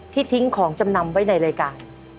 ทิ้งของจำนำไว้ในรายการ